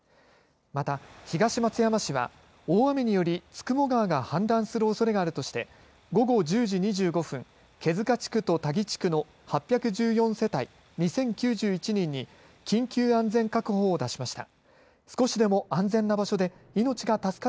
また、東松山市は大雨により九十九川が氾濫するおそれがあるとして午後１０時２５分毛塚地区と田木地区の８１４世帯２０９１人に緊急安全確保を出しました。